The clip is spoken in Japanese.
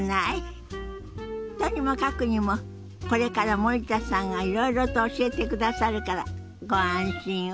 とにもかくにもこれから森田さんがいろいろと教えてくださるからご安心を。